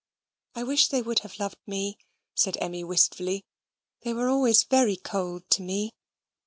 "I wish they would have loved me," said Emmy, wistfully. "They were always very cold to me."